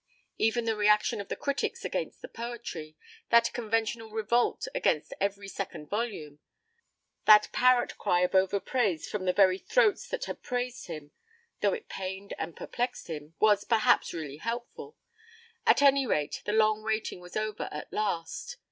Even the reaction of the critics against his poetry, that conventional revolt against every second volume, that parrot cry of over praise from the very throats that had praised him, though it pained and perplexed him, was perhaps really helpful. At any rate, the long waiting was over at last.